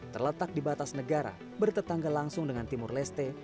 terletak di batas negara bertetangga langsung dengan timur leste